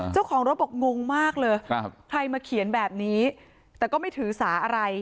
เจ้าของรถบอกงงมากเลยใครมาเขียนแบบนี้แต่ก็ไม่ถือสาอะไร